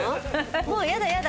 もうやだやだ！